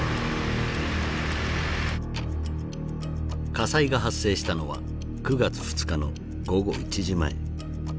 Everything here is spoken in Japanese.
火災が発生したのは９月２日の午後１時前。